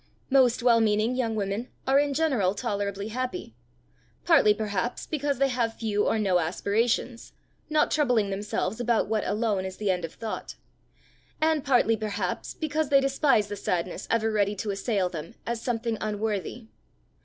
Most well meaning young women are in general tolerably happy partly perhaps because they have few or no aspirations, not troubling themselves about what alone is the end of thought and partly perhaps because they despise the sadness ever ready to assail them, as something unworthy.